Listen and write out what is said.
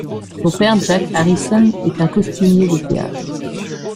Son père, Jack Harrison, est un costumier de théâtre.